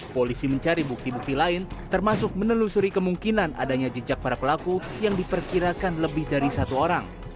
polisi mencari bukti bukti lain termasuk menelusuri kemungkinan adanya jejak para pelaku yang diperkirakan lebih dari satu orang